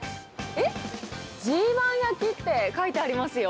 Ｇ１焼きって書いてありますよ。